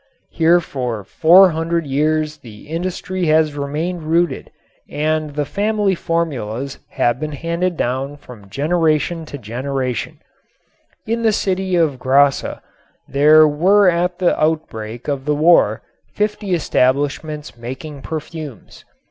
Here for four hundred years the industry has remained rooted and the family formulas have been handed down from generation to generation. In the city of Grasse there were at the outbreak of the war fifty establishments making perfumes.